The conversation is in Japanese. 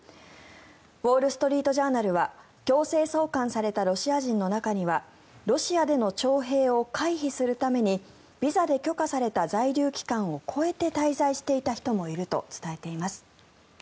ウォール・ストリート・ジャーナルは強制送還されたロシア人の中にはロシアでの徴兵を回避するためにビザで許可された在留期間を超えて滞在していた人もいると伝えています。